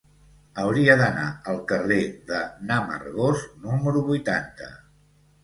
Hauria d'anar al carrer de n'Amargós número vuitanta.